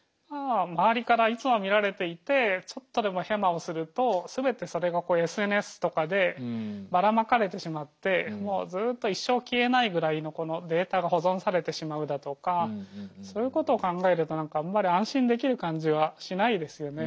周りからいつも見られていてちょっとでもヘマをすると全てそれがＳＮＳとかでばらまかれてしまってもうずっと一生消えないぐらいのこのデータが保存されてしまうだとかそういうことを考えると何かあんまり安心できる感じはしないですよね。